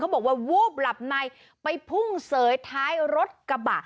บอกว่าวูบหลับในไปพุ่งเสยท้ายรถกระบะ